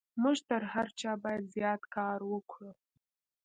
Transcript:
موږ تر هر چا بايد زيات کار وکړو.